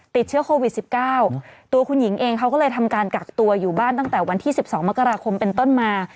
ติดเชื้อโควิด๑๙ตัวคุณหญิงเองเขาก็เลยทำการกักตัวอยู่บ้านตั้งแต่วันที่๑๒มกราคมเป็นต้นมา